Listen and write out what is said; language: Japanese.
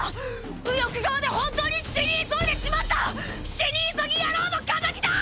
右翼側で本当に死に急いでしまった死に急ぎ野郎の仇だ！